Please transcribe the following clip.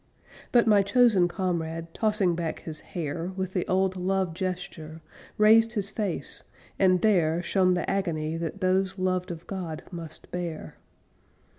But my chosen comrade, Tossing back his hair With the old loved gesture, Raised his face, and there Shone the agony that those Loved of God must bear.